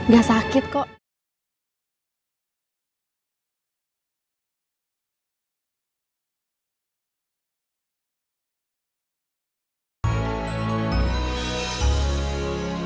cuman ada sakit di bagian belakang